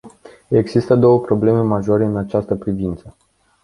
Există două probleme majore în această privință.